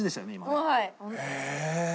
はい。